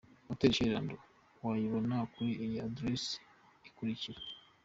Hotel Chez Lando wayibona kuri iyi Address ikurikira.